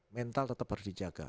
mental tetap harus dijaga